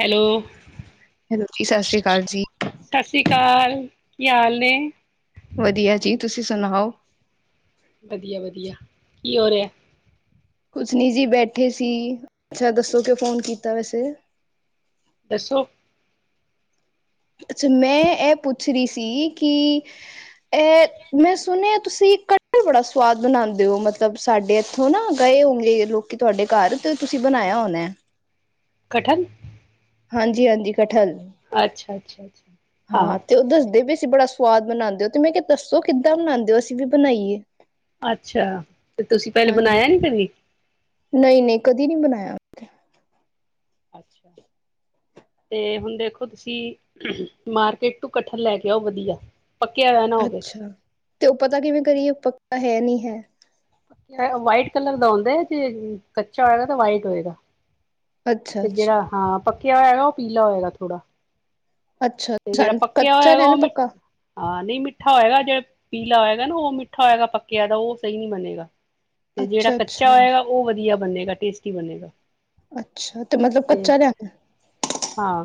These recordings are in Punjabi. ਹੈਲੋ। ਹੈਲੋ ਜੀ ਸਤਿ ਸ਼੍ਰੀ ਅਕਾਲ ਜੀ ਸਤਿ ਸ੍ਰੀ ਅਕਾਲ, ਕੀ ਹਾਲ ਨੇ? ਵਧੀਆ ਜੀ, ਤੁਸੀਂ ਸੁਣਾਓ? ਵਧੀਆ-ਵਧੀਆ, ਕੀ ਹੋ ਰਿਹਾ? ਕੁਛ ਨਹੀਂ ਜੀ ਬੈਠੇ ਸੀ। ਅੱਛਾ ਦੱਸੋ, ਕਿਉ ਫੋਨ ਕੀਤਾ ਵੈਸੇ? ਦੱਸੋ? ਅੱਛਾ, ਮੈਂ ਇਹ ਪੁੱਛ ਰਹੀ ਸੀ ਕਿ ਇਹ ਮੈਂ ਸੁਣਿਆ ਤੁਸੀਂ ਕਟਲ ਬੜਾ ਸਵਾਦ ਬਣਾਉਂਦੇ ਹੋ ਮਤਲਬ, ਸਾਡੇ ਇੱਥੋਂ ਨਾ ਗਏ ਹੋਗੇ ਲੋਕ ਕਿ ਤੁਹਾਡੇ ਘਰ ਤੇ ਤੁਸੀ ਬਨਾਇਆ ਹੋਨਾ ਏ। ਕਠਨ। ਹਾਂਜੀ, ਹਾਂਜੀ ਕਠਲ ਅੱਛਾ ਅੱਛਾ ਅੱਛਾ। ਹਾਂ ਤੇ ਉਹ ਦੱਸਦੇ ਵੀ ਅਸੀਂ ਬੜਾ ਸਵਾਦ ਬਣਾਉਂਦੇ ਹੋ ਤੇ ਮੈਂ ਕਿਹਾ ਦੱਸੋ ਕਿੱਦਾਂ ਬਣਾਉਂਦੇ ਹੋ? ਅਸੀਂ ਵੀ ਬਣਾਈਏ। ਅੱਛਾ ਤੇ ਤੁਸੀ ਪਹਿਲੇ ਹਾਂਜੀ ਬਨਾਇਆ ਨੀ ਕਦੀ? ਨਹੀਂ, ਨਹੀਂ ਕਦੀ ਨਹੀਂ ਬਣਾਇਆ। ਅੱਛਾ। ਤੇ ਹੁਣ ਦੇਖੋ ਤੁਸੀਂ, ਮਾਰਕੀਟ ਤੋਂ ਕੱਠਣ ਲੈ ਕੇ ਆਓ ਵਧੀਆ। ਪੱਕਿਆ ਹੋਇਆ ਨਾ ਹੋਵੇ, ਅੱਛਾ, ਤੇ ਉਹ ਪਤਾ ਕਿਵੇਂ ਕਰੀਏ ਪੱਕਾ ਹੈ ਨਹੀਂ ਹੈ? ਵਾਈਟ ਕਲਰ ਦਾ ਹੁੰਦਾ ਹੈ ਜੇ ਕੱਚਾ ਹੋਏਗਾ ਤੇ ਵਾਈਟ ਹੋਏਗਾ। ਅੱਛਾ ਤੇ ਅੱਛਾ ਜਿਹੜਾ ਹਾਂ ਪੱਕਿਆ ਹੋਇਆ ਗਾ ਉਹ ਪੀਲਾ ਹਏਗਾ ਥੋੜ੍ਹਾ। ਅੱਛਾ! ਛੰਦ ਕੱਚਾ ਲੈਣਾ ਏ ਮਿੱ ਪੱਕਾ? ਹਾਂ ਨਹੀਂ ਮਿੱਠਾ ਹੋਏਗਾ, ਜਿਹੜਾ ਪੀਲਾ ਹੋਏਗਾ ਨਾ ਉਹ ਮਿੱਠਾ ਹੋਏਗਾ ਪੱਕਿਆ ਦਾ ਉਹ ਸਹੀ ਨੀ ਬਣੇਗਾ। ਤੇ ਜਿਹੜਾ ਅੱਛਾ, ਕੱਚਾ ਅੱਛਾ, ਹੋਏਗਾ, ਉਹ ਵਧੀਆ ਬਣੇਗਾ। ਟੇਸਟੀ ਬਣੇਗਾ। ਅੱਛਾ ਤੇ ਮਤਲਬ ਕੱਚਾ ਲਿਆਣਾ। ਹਾਂ,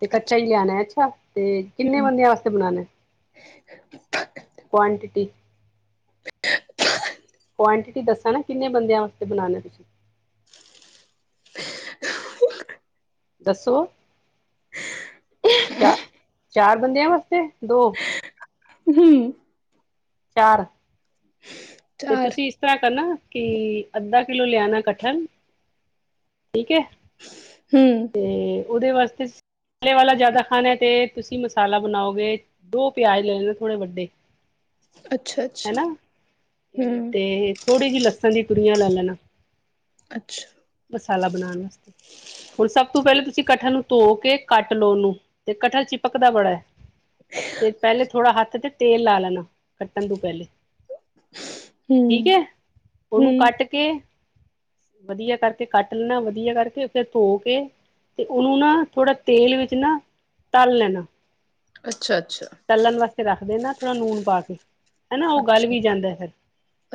ਤੇ ਕੱਚਾ ਅੱਛਾ ਹੀ ਲਿਆਣਾ ਅੱਛਾ। ਤੇ ਕਿੰਨੇ ਹੂੰ, ਬੰਦਿਆਂ ਵਾਸਤੇ ਬਣਾਣਾ, ਕੁਆਂਟਿਟੀ? ਕੁਆਂਟਿਟੀ ਦੱਸਣਾ ਨਾ ਕਿੰਨੇ ਬੰਦਿਆਂ ਵਾਸਤੇ ਬਣਾਉਣਾ ਤੁਸੀਂ? ਦੱਸੋ? ਚਾ ਚਾਰ ਬੰਦਿਆਂ ਵਾਸਤੇ ਦੋ ਅ ਹਮ ਚਾਰ, ਤੇ ਤੁਸੀ ਇਸ ਤਰਾ ਕਰਨਾ ਕੀ, ਅੱਧਾ ਕਿਲੋ ਲਿਆਉਨਾ ਕਟਹਲ, ਠੀਕ ਹੈ। ਹੂੰ ਤੇ ਉਹਦੇ ਵਾਸਤੇ ਮਸਾਲੇ ਵਾਲਾ ਜਾਦਾ ਖਾਨਾ ਏ, ਤੇ ਤੁਸੀ ਮਸਾਲਾ ਬਨਾਓਗੇ। ਦੋ ਪਿਆਜ ਲੈ ਲੇਨਾ ਥੋੜੇ ਵੱਡੇ। ਅੱਛਾ! ਅੱਛਾ ਹਨਾ, ਤੇ ਹੂੰ, ਤੇ ਥੋੜ੍ਹੀ ਜਿਹੀ ਲਸਾਣ ਦੀ ਤੁਰੀਆਂ ਲੈ ਲੈਣਾ। ਅੱਛਾ ਮਸਾਲਾ ਬਣਾਉਣ ਵਾਸਤੇ। ਹੁਣ ਸਭ ਤੋਂ ਪਹਿਲਾਂ ਤੁਸੀਂ ਕਠਲ ਨੂੰ ਧੋ ਕੇ ਕੱਟ ਲਓ ਔਨੂੰ ਤੇ ਕੱਠਲ ਚਿਪਕਦਾ ਬੜਾ ਐ ਤੇ ਪੈਲੇ ਥੋੜ੍ਹਾ ਹੱਥ ਤੇ ਤੇਲ ਲਾ ਲੈਣਾ, ਕੱਟਣ ਤੋਂ ਪੈਲੇ ਠੀਕ ਹੂੰ, ਹੈ, ਉਹਨੂੰ ਹੂੰ, ਕੱਟ ਕੇ ਵਧੀਆ ਕਰਕੇ ਕੱਟ ਲੈਣਾ ਵਧੀਆ ਕਰਕੇ ਫਿਰ ਧੋ ਕੇ ਤੇ ਔਨੂੰ ਨਾ ਥੋੜਾ ਤੇਲ ਵਿੱਚ ਨਾ ਤਲ ਲੈਨਾ ਅੱਛਾ-ਅੱਛਾ। ਤਲਣ ਵਾਸਤੇ ਰੱਖ ਦੇ ਨਾ ਥੋੜ੍ਹਾ ਨੂਨ ਪਾ ਕੇ। ਹਨਾ ਓਹ ਗਲ ਅੱਛਾ, ਵੀ ਜਾਂਦਾ ਫੇਰ,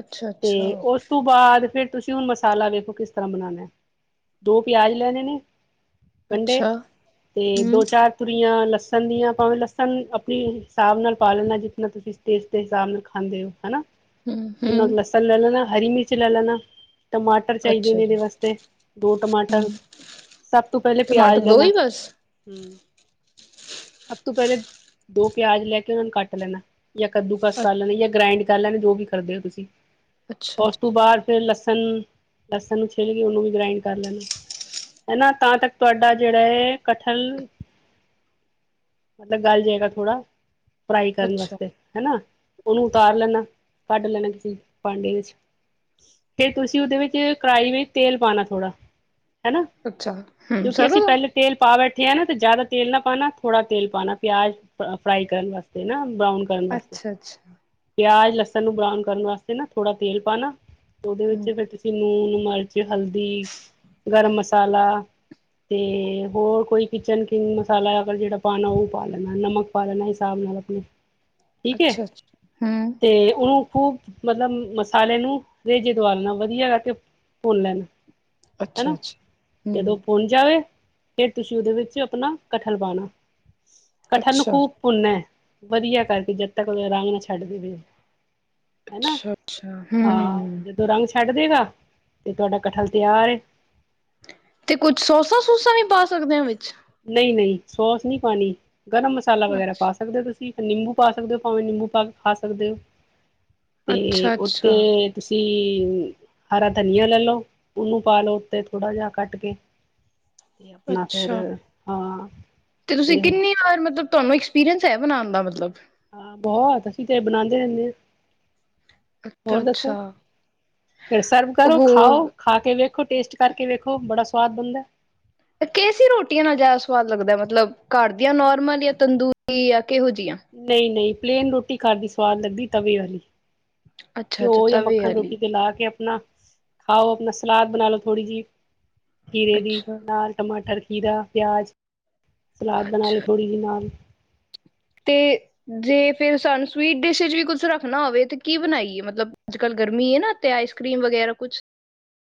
ਅੱਛਾ, ਤੇ ਅੱਛਾ, ਓਸ ਤੋਂ ਬਾਦ ਫੇਰ ਤੁਸੀਂ ਹੁਣ ਮਸਾਲਾ ਵੇਖੋ ਕਿਸ ਤਰ੍ਹਾਂ ਬਣਾਣਾ, ਦੋ ਪਿਆਜ ਲੈਣੇ ਨੇ। ਗੰਢੇ, ਅੱਛਾ ਤੇ ਹੂੰ, ਦੋ-ਚਾਰ ਤੁਰੀਆਂ ਲਸਣ ਦੀਆਂ, ਭਾਵੇਂ ਲਸਣ ਮਿਰਚ ਸਾਬ ਨਾਲ ਪਾ ਲਣਾ ਜਿਨਾ ਤੁਸੀ ਟੇਸਟ ਦੇ ਹਿਸਾਬ ਨਾਲ ਖਾਂਦੇ ਹਨਾ ਹੂੰ, ਹੂੰ, ਉਨਾਂ ਕ ਬਸ ਲੈ ਲੈਣਾ ਹਰੀ ਮਿਰਚ ਲੈ ਲੈਣਾ, ਟਮਾਟ ਟਮਾਟਰ ਚਾਹੀਦੇ ਅੱਛਾ ਨੇ ਇਹਦੇ ਜੀ ਵਾਸਤੇ, ਦੋ ਟਮਾਟਰ, ਸਭ ਤੋਂ ਪਹਿਲੇ ਟਮਾਟਰ ਪਿਆਜ ਲੈਣਾ। ਹੀ ਬਸ ਹੂੰ, ਸਭ ਤੋਂ ਪਹਿਲੇ ਦੋ ਪਿਆਜ ਲੈ ਕੇ ਉਹਨਾਂ ਨੂੰ ਕੱਟ ਲੈਣਾ। ਯਾਂ ਕੱਦੂ ਕਸ ਅੱਛ ਕਰ ਲੈਣ ਯਾਂ ਗ੍ਰਾਇੰਡ ਕਰ ਲੈਣ ਜੋ ਵੀ ਕਰਦੇ ਔ ਤੁਸੀਂ, ਅੱਛਾ, ਔਸ ਤੋਂ ਬਾਦ ਫਿਰ ਲਸਣ, ਲਸਣ ਨੂੰ ਛਿਲ ਕੇ ਉਹਨੂੰ ਵੀ ਗ੍ਰਾਇੰਡ ਕਰ ਲੈਣਾ। ਹਨਾ। ਤਾਂ ਤੱਕ ਤੁਹਾਡਾ ਜਿਹੜਾ ਏ ਕਠਲ ਮਤਲਬ ਗੱਲ ਜਾਏਗਾ ਥੋੜਾ, ਫਰਾਈ ਕਰਨ ਅੱਛਾ, ਅੱਛਾ, ਵਾਸਤੇ, ਹੈਨਾ। ਔਨੂੰ ਉਤਾਰ ਲੈਣਾ, ਕੱਢ ਲੈਣਾ ਕਿਸੇ ਪਾਂਡੇ ਵਿੱਚ ਫਿਰ ਤੁਸੀਂ ਉਹਦੇ ਵਿੱਚ ਕੜਾਹੀ ਵਿੱਚ ਤੇਲ ਪਾਉਣਾ ਥੋੜ੍ਹਾ। ਹਨਾ, ਅੱਛਾ ਹੂੰ ਕਿਉਂਕਿ ਸਰੋਂ ਅਸੀਂ ਦਾ ਪਹਿਲੇ ਤੇਲ ਪਾ ਬੈਠੇ ਆ ਨਾ ਤੇ ਜ਼ਿਆਦਾ ਤੇਲ ਨਾ ਪਾਣਾ ਥੋੜਾ ਤੇਲ ਪਾਣਾ ਪਿਆਜ਼ ਫਰਾਈ ਕਰਨ ਵਾਸਤੇ ਨਾ ਬਰਾਊਨ ਕਰਨ ਵਾਸਤੇ। ਅੱਛਾ, ਅੱਛਾ ਪਿਆਜ ਲਸਣ ਨੂੰ ਬਰਾਊਨ ਕਰਨ ਵਾਸਤੇ ਨਾ ਥੋੜਾ ਤੇਲ ਪਾਣਾ ਉਹਦੇ ਵਿੱਚ ਹੂੰ, ਫਿਰ ਤੁਸੀਂ ਨੂਨ ਮਿਰਚ ਹਲਦੀ ਗਰਮ ਮਸਾਲਾ ਤੇ ਹੋਰ ਕੋਈ ਕਿਚਨ ਕਿੰਗ ਮਸਾਲਾ ਅਗਰ ਜਿਹੜਾ ਪਾਣਾ ਉਹ ਪਾ ਲੈਂਨਾ ਨਮਕ ਪ ਲੈਣਾ ਹਿਸਾਬ ਨਾਲ ਆਪਣੇ। ਠੀਕ ਹੈ, ਅੱਛਾ, ਅੱਛਾ ਹੂੰ, ਤੇ ਉਹਨੂੰ ਖੂਬ ਮਤਲਬ ਮਸਾਲੇ ਨੂੰ ਰੇਜੇ ਦਵਾ ਲੈਣਾ ਵਧੀਆ ਕਰਕੇ ਭੁੰਨ ਲੈਣ ਅੱਛਾ, ਹਨਾ, ਅੱਛਾ ਜਦੋਂ ਹੂੰ, ਫੁਲ ਜਾਵੇ ਫਿਰ ਤੁਸੀਂ ਉਹਦੇ ਵਿੱਚ ਆਪਣਾ ਕਠਲ ਪਾਣਾ ਕਠਲ ਨੂੰ ਅੱਛਾ, ਖੂਬ ਭੁੰਨਣਾ, ਵਧੀਆ ਕਰਕੇ ਜਦ ਤੱਕ ਉਹਦਾ ਰੰਗ ਨਾ ਛੱਡ ਦੇਵੇ। ਹੈਨਾ, ਅੱਛਾ, ਅੱਛਾ ਹਾਂ, ਹੂੰ ਜਦੋਂ ਰੰਗ ਛੱਡ ਦੇਗਾ, ਤੇ ਤੁਹਾਡਾ ਕਠਲ ਤਿਆਰ ਏ। ਤੇ ਕੁੱਝ ਸੋਸਾ-ਸੂਸਾ ਵੀ ਪਾ ਸਕਦੇ ਹਾਂ ਵਿਚ। ਨਈ ਨਈ ਸੋਸ ਨੀ ਪੋਣੀ ਗਰਮ ਮਸਾਲਾ ਵਗੈਰਾ ਪਾ ਅੱਛਾ ਸਕਦੇ ਔ ਤੁਸੀਂ ਇੱਕ ਨਿੰਬੂ ਪਾ ਸਕਦੇ ਹੋ ਭਾਵੇਂ ਨਿੰਬੂ ਪਾ ਕੇ ਖਾ ਸਕਦੇ ਹੋ, ਤੇ ਅੱਛਾ ਅੱਛਾ ਉੱਥੇ ਤੁਸੀਂ ਹਰਾ ਧਨੀਆ ਲੈ ਲਓ ਉਹਨੂੰ ਪਾ ਲਓ ਉਤੇ ਥੋੜ੍ਹਾ ਜਿਹਾ ਕੱਟ ਕੇ। ਤੇ ਆਪਣਾ ਫੇਰ ਅੱਛਾ ਹਾਂ ਤੇ ਤੁਸੀਂ ਕਿੰਨੀ ਵਾਰ ਮਤਲਬ ਤੁਹਾਨੂੰ ਐਕਸਪੀਰੀਅੰਸ ਹੈ ਬਣਾਉਣ ਦਾ ਮਤਲਬ? ਹਾਂ ਬਹੁਤ ਅਸੀਂ ਤੇਰੇ ਬਣਾਦੇ ਰਹਿੰਦੇ ਹਾਂ। ਅੱਛਾ ਹੋਰ ਦੱਸੋ, ਅੱਛਾ ਫਿਰ ਸਰਵ ਕਰੋ ਖਾਓ ਹੋਰ ਖਾ ਕੇ ਵੇਖ ਵੇਖੋ ਟੇਸਟ ਕਰਕੇ ਵੇਖੋ ਬੜਾ ਸਵਾਦ ਬਣਦਾ। ਕੈਸੀ ਰੋਟੀਆਂ ਨਾਲ ਜ਼ਾਦਾ ਸਵਾਦ ਲੱਗਦਾ ਮਤਲਬ ਘਰ ਦੀਆਂ ਨੋਰਮਲ ਜਾਂ ਤੰਦੂਰੀ ਜਾਂ ਕਿਹੋ ਜੀਆਂ ਨਹੀਂ-ਨਹੀਂ ਪਲੇਨ ਰੋਟੀ ਘਰ ਦੀ ਸਵਾਦ ਲੱਗਦੀ, ਤਵੇ ਆਲੀ। ਅੱਛਾ ਘਿਓ ਅੱਛਾ ਯਾਂ ਤਵੇ ਮੱਖਣ ਵਾਲੀ ਰੋਟੀ ਤੇ ਲਾ ਕੇ ਅਪਣਾ ਖਾਓ ਆਪਣਾ ਸਲਾਦ ਬਣਾ ਲੋ ਥੋੜੀ ਜਿਹੀ, ਖੀਰੇ ਦੀ ਅੱਛਾ ਨਾਲ ਟਮਾਟਰ, ਖੀਰਾ। ਪਿਆਜ ਸਲਾਦ ਬਣਾ ਲਓ ਅੱਛਾ ਥੋੜ੍ਹੀ ਜੀ ਨਾਲ ਖਾ ਤੇ ਜੇ ਫਿਰ ਸਾਨੂੰ ਸਵੀਟ ਡਿਸ਼ ਚ ਵੀ ਕੁੱਝ ਰੱਖਣਾ ਹੋਵੇ ਤੇ ਕੀ ਬਣਾਈਏ ਮਤਲਬ ਅੱਜ ਕੱਲ ਗਰਮੀ ਹੈ ਨਾ? ਤੇ ਆਈਸ ਕਰ੍ਰੀਮ ਵਗੈਰਾ ਕੁਛ। [unintelligible]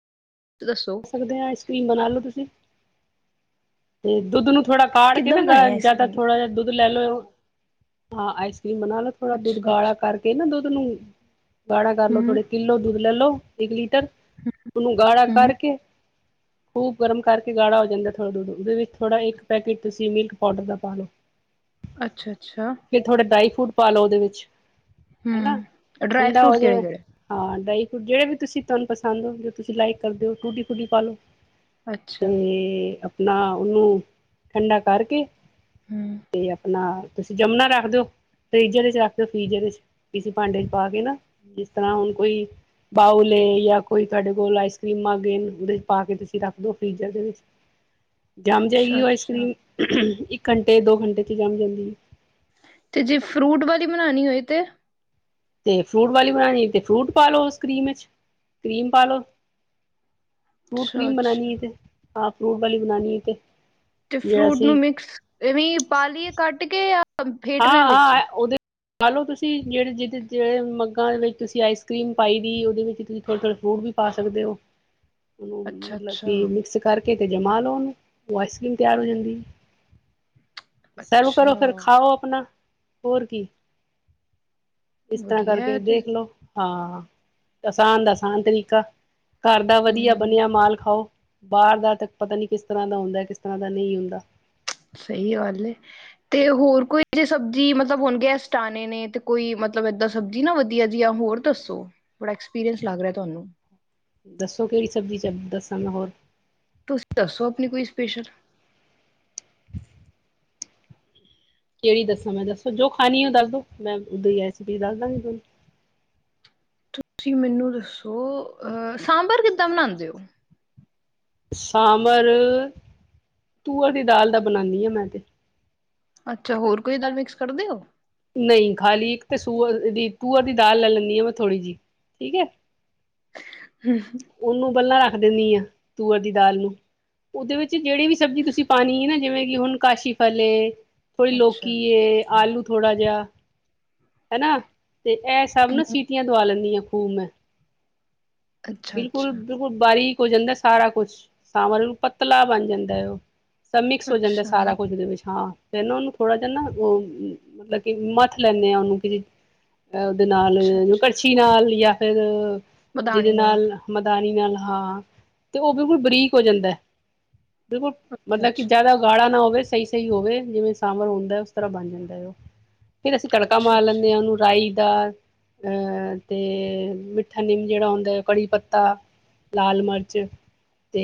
ਦੱਸੋ। ਸਕਦੇ ਹਾਂ ਆਈਸਕੀਮ ਬਨਾਲੌ ਤੁਸੀਂ ਤੇ ਦੁੱਧ ਨੂੰ ਥੋੜਾ ਕਾਢ ਕੇ ਕਿੱਦਾਂ ਨਾ ਬਣਾਉਣੀ ਗ, ਆਈਸ ਜਾ ਤਾਂ ਕਰ੍ਰੀਮ ਥੋੜਾ ਜਿਹਾ ਦੁੱਧ ਲੈ ਲਓ। ਹਾਂ, ਆਈਸਕ੍ਰੀਮ ਬਣਾ ਲਓ ਥੋੜਾ ਦੁੱਧ ਅੱਛਾ ਗਾੜ੍ਹਾ ਅੱਛਾ ਕਰਕੇ ਨਾ ਦੁੱਧ ਨੂੰ ਗਾੜ੍ਹਾ ਕਰ ਲੋ ਹੂੰ ਥੋੜੇ ਕਿੱਲੋ ਦੁੱਧ ਲੈ ਲਓ ਇੱਕ ਲੀਟਰ, ਉਹਨੂੰ ਗਾੜਾ ਹੂੰ ਕਰਕੇ ਖੂਬ ਗਰਮ ਕਰਕੇ ਗਾੜਾ ਹੋ ਜਾਂਦਾ ਥੋੜ੍ਹਾ ਦੁੱਧ, ਉਹਦੇ ਵਿੱਚ ਥੋੜ੍ਹਾ ਇੱਕ ਪੈਕੇਟ ਤੁਸੀਂ ਮਿਲਕ ਪਾਊਡਰ ਦਾ ਪਾ ਲਓ। ਅੱਛਾ-ਅੱਛਾ। ਫਿਰ ਥੋੜੇ ਡਰਾਈ ਫਰੂਟ ਪਾ ਲੋ ਉਹਦੇ ਵਿੱਚ, ਹੈਨਾ ਹੂੰ ਡਰਾਈ ਠੰਡਾ ਫਰੂਟ ਹੋ ਜਾਵੇ। ਕਿਹੜੇ-ਕਿਹੜੇ? ਹਾਂ ਡਰਾਈ ਫਰੂਟ ਜਿਹੜੇ ਵੀ ਤੁਸੀਂ ਤੁਹਾਨੂੰ ਪਸੰਦ ਹੋ ਜੋ ਤੁਸੀਂ ਲਾਈਕ ਕਰਦੇ ਹੋ ਟੂਟੀ-ਫਰੂਟੀ ਪਾ ਲਓ। ਤੇ ਅੱਛਾ, ਅਪਣਾ ਔਨੂੰ ਠੰਡਾ ਕਰਕੇ ਹੂੰ ਤੇ ਆਪਣਾ, ਤੁਸੀਂ ਜਮਨਾ ਰੱਖਦੇ ਓਂ। ਫਰਿਜ ਚ ਰੱਖ ਦਿ ਫੀਜਰ ਚ ਕਿਸੇ ਭਾਂਡੇ ਚ ਪਾ ਕੇ ਨਾ ਜਿਸ ਤਰ੍ਹਾਂ ਹੁਣ ਕੋਈ ਬਾਊਲੇ ਏ ਯਾਂ ਕੋਈ ਤੁਹਾਡੇ ਕੋਲ ਆਈਸ ਕਰ੍ਰੀਮਾ ਗੇ ਔਹਦੇ ਚ ਪਾ ਕੇ ਤੁਸੀਂ ਰੱਖਦੋ ਫਰੀਜ਼ਰ ਦੇ ਵਿੱਚ ਜੰਮ ਜਾਏਗੀ ਔ ਆਈਸ ਅੱਛਾ-ਅੱਛਾ ਕਰ੍ਰੀਮ, ਇੱਕ ਘੰਟੇ ਦੋ ਘੰਟੇ ਚ ਜੰਮ ਜਾਂਦੀ ਤੇ ਜੇ ਫਰੂਟ ਵਾਲੀ ਬਨਾਨੀ ਹੋਏ ਤੇ ਤੇ ਫਰੂਟ ਵਾਲੀ ਬਣਾਣੀ ਏ ਤੇ ਫਰੂਟ ਪਾ ਲਓ ਉਸ ਕਰੀਮ ਵਿੱਚ, ਕਰੀਮ ਪਾ ਲਓ। ਫਰੂਟ ਕਰੀਮ ਅੱਛਾ-ਅੱਛਾ ਬਣਾਨੀ ਤੇ ਹਾਂ ਫਰੂਟ ਵਾਲੀ ਬਣਾਨੀ ਤੇ ਤੇ ਜਿਹੜਾ ਫਰੂਟ ਨੂੰ ਅਸੀਂ ਮਿਕਸ ਇਵੇਂ ਪਾ ਲਈਏ ਕੱਟ ਕੇ ਜਾਂ ਫੇਟਨਾ ਹੈ ਵਿੱਚ? ਖਾ ਲੋ ਤੁਸੀਂ ਜਿਹੜੇ ਜਿਹਦੇ ਜਿਹੜੇ ਮਗਾ ਵਿੱਚ ਤੁਸੀਂ ਆਈਸ ਕਰੀਮ ਪਾਈ ਦੀ ਔਦੇ ਵਿੱਚ ਤੁਸੀਂ ਥੋੜ੍ਹੇ ਥੋੜੇ ਫਰੂਟ ਵੀ ਪਾ ਸਕਦੇ ਹੋ, ਉਹਨੂੰ ਮਤਲਬ ਅੱਛਾ-ਅੱਛਾ, ਕਿ ਮਿਕਸ ਕਰਕੇ। ਨਹੀਂ ਤੇ ਜਮਾ ਉਹਨੂੰ ਉਹ ਆਈਸਕ੍ਰੀਮ ਤਿਆਰ ਹੋ ਜਾਂਦੀ ਹੈ। ਅੱਛਾ ਸਵ ਕਰੋ, ਫਿਰ ਅੱਛਾ ਖਾਓ ਪਣਾ ਹੋਰ ਕੀ ਇਸ ਤਰ੍ਹਾਂ ਵਧੀਆ ਕਰਕੇ ਐ ਤੇ ਦੇਖਲੋ, ਹਾਂ ਆਸਾਨ ਦਾ- ਆਸਾਨ ਤਰੀਕਾ। ਘਾਰ ਦਾ ਵਧੀਆ ਹੂੰ ਬਣਿਆ ਮਾਲ ਖਾਓ, ਬਾਰ ਦਾ ਤੇ ਪਤਾ ਨੀ ਕਿਸ ਤਰ੍ਹਾਂ ਦਾ ਹੁੰਦਾ ਐ, ਕਿਸ ਤਰ੍ਹਾਂ ਦਾ ਨ ਈ ਹੁੰਦਾ ਸਹੀ ਗੱਲ ਏ। ਤੇ ਹੋਰ ਕੋਈ ਜੇ [unintelligible] ਸਬਜ਼ੀ ਮਤਲਬ ਹੁਣ ਗੈਸਟ ਆਣੇ ਨੇ ਤੇ ਕੋਈ ਮਤਲਬ ਏਦਾਂ ਸਬਜ਼ੀ ਨਾ ਵਧੀਆ ਜਿਹੀ ਹੋਰ ਦੱਸੋ, ਬੜਾ ਐਕਸਪੀਰੀਅੰਸ ਲੱਗ ਰਿਹਾ ਤੁਹਾਨੂੰ। ਦੱਸੋ ਕਿਹੜੀ ਸਬਜ਼ੀ ਚ ਦੱਸਾਂ ਮੈਂ ਹੋਰ। ਤੁਸੀਂ ਦੱਸੋ ਅਪਣੀ ਕੋਈ ਸਪੇਸ਼ਲ ਕਿਹੜੀ ਦੱਸਾਂ ਮੈਂ ਦੱਸੋ ਜੋ ਖਾਣੀ ਉਹ ਦੱਸ ਦੋ ਮੈਂ ਉਹਦੀ ਹੀ ਰੈਸਿਪੀ ਦੱਸ ਦਾਂਗੀ ਤੁਹਾਨੂੰ। ਤੁਸੀਂ ਮੈਨੂੰ ਦੱਸੋ ਅਹ ਸਾਂਬਰ ਕਿੱਦਾਂ ਬਣਾਉਦੇ ਔ ਸਾਂਆ ਬਅਰ ਤੂਅਰ ਦੀ ਦਾਲ ਦਾ ਬਨਾਨੀ ਆ ਮੈਂ ਤੇ ਅੱਛਾ ਹੋਰ ਕੋਈ ਦਾਲ ਮਿਕਸ ਕਡਦੇ ਔ ਨਹੀਂ ਖਾਲੀ ਇੱਕ ਤਾਂ ਸੂ ਦੀ ਤੂਅਰ ਦੀ ਦਾਲ ਲੈ ਲੈਂਦੀ ਹਾਂ ਮੈਂ ਥੋੜੀ ਜਿਹੀ ਠੀਕ ਹੈ। ਹਮ ਉਹਨੂੰ ਪਹਿਲਾਂ ਰੱਖ ਦਿੰਦੀ ਆ ਤੂਅਰ ਦੀ ਦਾਲ ਨੂੰ। ਉਦੇ ਵਿੱਚ ਜਿਹੜੀ ਵੀ ਸਬਜ਼ੀ ਤੁਸੀਂ ਪਾਣੀ ਏ ਨਾ ਜਿਵੇਂ ਕਿ ਹੁਣ ਕਾਸ਼ੀ ਫਲ ਏ ਥੋੜ੍ਹੀ ਲੋਕੀ ਅੱਛਾ। ਏ, ਆਲੂ ਥੋੜਾ ਜਿਹਾ, ਹੈਨਾ ਤੇ ਇਹ ਸਭ ਨਾ ਸੀ ਸੀਟੀਆਂ ਦਵਾ ਲੈਦੀ ਆ ਖੂਬ ਮੈਂ। ਅੱਛਾ ਬਿਲਕੁਲ, ਅੱਛਾ ਬਿਲਕੁਲ ਬਾਰੀਕ ਹੋ ਜਾਂਦਾ। ਸਾਰਾ ਕੁਛ ਸਾਂਬਰ ਪਤਲਾ ਬਣ ਜਾਂਦਾ ਹੈ ਉਹ। ਸਭ ਮਿਕਸ ਹੋ ਜਾਂਦਾ, ਅੱਛਾ ਸਾਰਾ ਕੁਝ ਉਹਦੇ ਵਿੱਚ, ਹਾਂ। ਫਿਰ ਨਾ ਉਹਨੂੰ ਥੋੜਾ ਜਿਹਾ ਨਾ ਉਹ ਮਤਲਬ ਕਿ ਮੱਥ ਲੈਂਦੇ ਆ। ਉਹਨੂੰ ਕਿ ਅ ਉਹਦੇ ਨਾਲ ਅੱਛਾ ਅੱਛਾ ਕੜਛੀ ਨਾਲ ਜਾਂ ਫਿਰ। ਦੇ ਨਾਲ ਮਧਾਨੀ ਨਾਲ ਹਾਂ ਤੇ ਉਹ ਬਿਲਕੁਲ ਬਰੀਕ ਹੋ ਜਾਂਦਾ ਹੈ। ਦੇਖੋ ਅੱਛਾ ਮਤਲਬ ਕਿ ਅੱਛਾ। ਜਾਦਾ ਗਾੜਾ ਨਾ ਹੋਵੇ ਸਹੀ ਸਹੀ ਹੋਵੇ ਜਿਵੇਂ ਸਾਂਬਰ ਹੁੰਦਾ ਉਸ ਤਰ੍ਹਾਂ ਬਣ ਜਾਂਦਾ ਐ ਓਹ, ਫੇਰ ਅਸੀਂ ਤੜਕਾ ਅੱਛਾ ਮਾਰ ਲੈਂਨੇ ਅੱਛਾ ਆਂ ਉਹਨੂੰ ਰਾਈ ਦਾ ਅਹ, ਤੇ ਮਿੱਠਾ ਨਿੰਮ ਜਿਹੜਾ ਹੁੰਦਾ ਹੈ। ਕੜੀ ਪੱਤਾ, ਲਾਲ ਮਿਰਚ। ਤੇ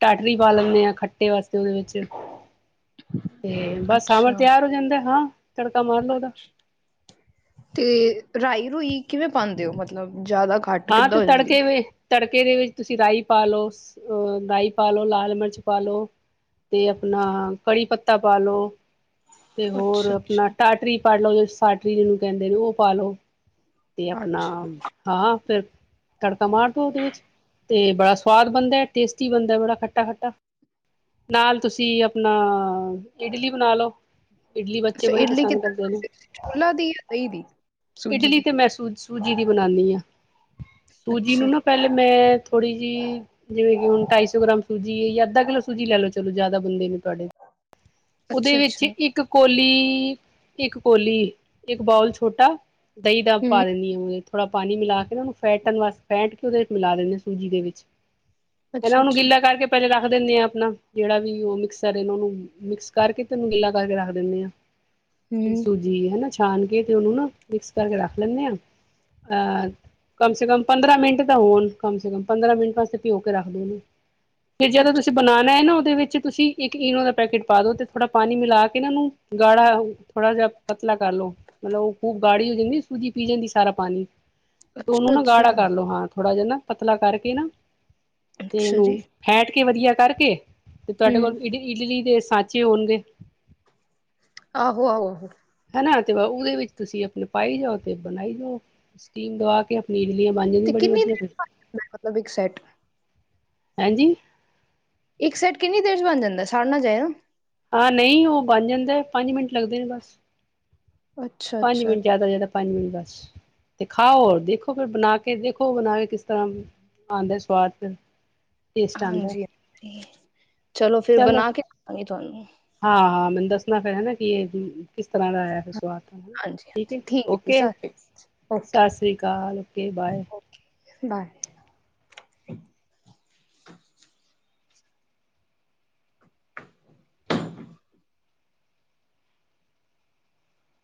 ਟਾਟਰੀ ਪਾ ਲੈਂਦੇ ਆ ਖੱਟੇ ਵਾਸਤੇ ਉਹਦੇ ਵਿੱਚ। ਤੇ ਬਸ ਸਾਂਬਰ ਅੱਛਾ ਤਿਆਰ ਹੋ ਜਾਂਦਾ ਹਾਂ। ਤੜਕਾ ਮਾਰ ਲਓ ਉਹਦਾ ਅੱਛਾ, ਤੇ ਰਾਈ ਰੂਈ ਕਿਵੇਂ ਪਾਉਂਦੇ ਹੋ। ਮਤਲਬ ਜ਼ਿਆਦਾ ਘੱਟ ਬਾਅਦ ਕਿੱਦਾਂ ਤੇ ਹੋ ਜਾਂਦੀ? ਤੜਕੇ ਹੈ? ਵੇ ਤੜਕੇ ਦੇ ਵਿੱਚ ਤੁਸੀਂ ਰਾਈ ਪਾ ਲਓ ਅ ਰਾਈ ਪਾ ਲਓ, ਲਾਲ ਮਿਰਚ ਪਾ ਲਓ। ਤੇ ਅਪਣਾ ਕੜੀ ਪੱਤਾ ਪਾ ਲਉ। ਤੇ ਹੋਰ ਅੱਛਾ ਅਪਣਾ ਅੱਛਾ ਟਾਟਰੀ ਪਾ ਲਉ ਜਾ ਸਾਟਰੀ ਜਿਹਨੂੰ ਕਹਿੰਦੇ ਨੇ ਉਹ ਪਾ ਲਉ। ਤੇ ਅਪਣਾ ਅੱਛਾ। ਹਾਂ ਫਿਰ ਤੜਕਾ ਮਾਰਦੋ ਉਹਦੇ ਵਿੱਚ। ਤੇ ਬੜਾ ਸਵਾਦ ਬਣਦਾ, ਟੇਸਟੀ ਬਣਦਾ, ਬੜਾ ਖੱਟਾ- ਖੱਟਾ। ਨਾਲ ਤੁਸੀਂ ਆਪਣਾ ਇਡਲੀ ਬਣਾ ਲਓ। ਇਡਲੀ ਬੱਚੇ ਅੱਛਾ ਬੜੀ ਇਡਲੀ ਪਸੰਦ ਕਿੱਦਾਂ ਕਰਦੇ ਨੇ। ਬਣਾਉਂਦੇ ਤੁਸੀਂ ਛੋਲਾ ਦੀ ਜਾਂ ਦਹੀਂ ਦੀ ਸੂਜੀ ਇਡਲੀ ਦੀ? ਤੇ ਮੈਂ ਸੋਚ ਸੂਜੀ ਦੀ ਬਣਾਉਦੀ ਹਾਂ। ਸੂਜੀ ਨੂੰ ਅੱਛਾ। ਨਾ ਪਹਿਲੇ ਮੈਂ ਥੋੜ੍ਹੀ ਜਿਹੀ ਜਿਵੇਂ ਕਿ ਹੁਣ ਢਾਈ ਸੌ ਗ੍ਰਾਮ ਸੂਜੀ ਜਾਂ ਅੱਧਾ ਕਿੱਲੋ ਸੂਜੀ ਲੈ ਲਉ। ਚਲੋ ਜ਼ਿਆਦਾ ਬੰਦੇ ਨੇ ਤੁਹਾਡੇ ਉਹਦੇ ਅੱਛਾ ਵਿੱਚ ਅੱਛਾ ਇੱਕ ਕੋਲੀ ਇੱਕ ਕੋਲੀ ਇੱਕ ਬਓਲ ਛੋਟਾ। ਦਹੀਂ ਦਾ ਹੂੰ ਪਾ ਦਿੰਦੀ ਹਾਂ ਥੋੜਾ ਪਾਣੀ ਮਿਲਾ ਕੇ। ਇਹਨਾਂ ਨੂੰ ਫੈਟਣ ਵਾਸਤੇ ਫੈਟ ਕੇ ਉਹਦੇ ਵਿੱਚ ਮਿਲਾ ਦਿੰਦੇ ਸੂਜੀ ਦੇ ਵਿੱਚ ਇਹਨਾਂ ਅੱਛਾ ਉਹਨੂੰ ਅੱਛਾ ਗਿੱਲਾ ਕਰਕੇ। ਪਹਿਲੇ ਰੱਖ ਦਿੰਦੇ ਆ ਆਪਣਾ ਜਿਹੜਾ ਵੀ ਉਹ ਮਿਕਸਰ ਉਹਨੂੰ ਮਿਕਸ ਕਰਕੇ ਤੇ ਉਹਨੂੰ ਗਿੱਲਾ ਕਰਕੇ ਰੱਖ ਦਿੰਦੇ ਆ। [inaudible] ਜਿਹੜੀ ਹੂੰ ਸੂਜੀ ਹੈਨਾ, ਛਾਨ ਕੇ ਤੇ ਉਹਨੂੰ ਨਾ ਮਿਕਸ ਕਰਕੇ ਰੱਖ ਲੈਂਨੇ ਆ। ਅਹ ਕਮ ਸੇ ਕਮ ਪੰਦਰਾਂ ਮਿੰਟ ਤਾਂ ਹੋਣ ਕਮ ਸੇ ਕਮ ਪੰਦਰਾਂ ਮਿੰਟ ਵਾਸਤੇ ਭਿਂਓ ਕੇ ਰੱਖ ਦਿਨੇ। ਫਿਰ ਜਦੋਂ ਤੁਸੀ ਬਨਣਾ ਹੈ ਨਾ ਉਹਦੇ ਵਿੱਚ ਤੁਸੀਂ ਇੱਕ ਇਨੋ ਦਾ ਪੈਕੇਟ ਪਾ ਦੋ ਤੇ ਥੋੜਾ ਪਾਣੀ ਮਿਲਾ ਕੇ ਨਾ ਇਹਨੂੰ। ਗਾੜਾ ਥੋੜ੍ਹਾ ਜਿਹਾ ਪਤਲਾ ਕਰ ਲਉ। ਮਤਲਬ ਉਹ ਖੂਬ ਗਾੜੀ ਹੋ ਜਾਂਦੀ ਸੂਜੀ ਪੀ ਜਾਂਦੀ ਸਾਰਾ ਪਾਣੀ। ਤੇ ਉਹਨੂੰ ਅੱਛਾ ਨਾ ਗਾੜਾ ਅੱਛਾ। ਕਰ ਲਉ ਹਾਂ ਥੋੜਾ ਜਿਹਾ ਨਾ ਪਤਲਾ ਕਰਕੇ ਨਾ ਤੇ ਅੱਛਾ ਇਹਨੂੰ ਜੀ ਫੈਂਟ ਕੇ ਵਧੀਆ ਕਰਕੇ ਤੇ ਤੁਹਾਡੇ ਹੂੰ ਕੋਲ ਇਡਲੀ ਇਡਲੀ ਦੇ ਸਾਂਚੇ ਹੋਣਗੇ। ਆਹੋ ਆਹੋ। ਹਨਾ ਤੇ ਉਹਦੇ ਵਿੱਚ ਤੁਸੀਂ ਆਪਣੇ ਪਾਈ ਜਾਓ ਤੇ ਬਣਾਈ ਜਾਓ। ਸਟੀਮ ਦਵਾ ਕੇ ਇਡਲੀਆਂ ਬਨ ਜਾਂਦੀਆਂ। ਤੇ ਬੜੀ ਕਿੰਨੀ ਵਧੀਆ ਦੇਰ ਚ ਫਿਰ, ਬਣ ਜਾਂਦਾ ਹੈ ਮਤਲਬ ਇੱਕ ਸੈਟ ਹੈਂਜੀ ਇੱਕ ਸਾਈਟ ਕਿੰਨੀ ਦੇਰ ਚ ਬਣ ਜਾਂਦਾ ਸੜ ਨਾ ਜਾਏ ਨਾ। ਹਾਂ ਨਹੀਂ ਉਹ ਬਣ ਜਾਂਦਾ, ਪੰਜ ਮਿੰਟ ਲੱਗਦੇ ਨੇ ਬਸ। ਅੱਛਾ ਪੰਜ ਅੱਛਾ ਮਿੰਟ ਜਿਆਦਾ ਤੋਂ ਜ਼ਿਆਦਾ ਪੰਜ ਮਿੰਟ ਬਸ। ਤੇ ਖਾਓ ਦੇਖੋ ਫਿਰ ਬਣਾ ਕੇ ਦੇਖੋ ਬਣਾ ਕੇ ਕਿਸ ਤਰ੍ਹਾਂ। ਆਉਂਦੇ ਸਵਾਦ ਚ। ਹਾਂਜੀ ਹ ਚਲੋ ਫਿਰ ਚੱਲ ਬਣਾ ਕੇ ਖਵਾਵਾਂਗੇ ਤੁਹਾਨੂੰ। ਹਾਂ, ਹਾਂ ਮੈਨੂੰ ਦੱਸਣਾ ਫਿਰ ਹੈ ਨਾ ਕਿ ਇਹ ਕਿਸ ਤਰ੍ਹਾਂ ਦਾ ਆਇਆ ਫਿਰ ਸਵਾਦ। ਹਾਂਜੀ ਠੀਕ ਏ, ਹਾਂਜੀ ਹੈ ਜੀ ਔਕੇ ਏ, ਸਤਿ ਸ਼੍ਰੀ ਅਕਾਲ ਓਕੇ ਸਤਿ ਸ੍ਰੀ ਅਕਾਲ, ਔਕੇ ਬਾਏ। Okay bye